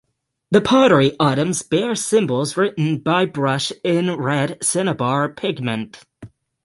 The pottery items bear symbols written by brush in red cinnabar pigment.